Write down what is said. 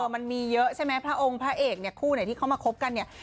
มันมีเยอะใช่ไหมพระองค์พระเอกเนี่ยคู่ไหนที่เขามาคบกันเนี่ย